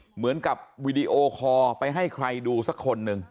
เหมือนกับวีดีโอคอลไปให้ใครดูสักคนหนึ่ง